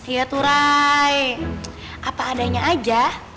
iya tuh ray apa adanya aja